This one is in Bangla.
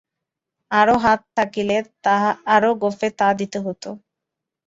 আরো হাত থাকিলে আরো গোঁফে তা দিতে হইত।